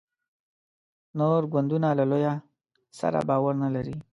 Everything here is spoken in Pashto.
نور ګوندونه له لویه سره باور نه لري.